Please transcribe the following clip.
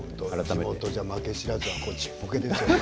地元じゃ負け知らずはちっぽけですね。